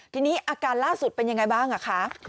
ทีนี้อาการล่าสุดเป็นยังไงบ้างคะ